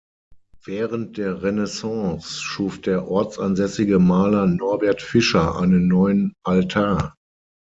Während der Renaissance schuf der ortsansässige Maler Norbert Fischer einen neuen Altar.